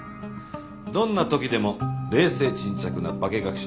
どんな時でも冷静沈着なバケ学者。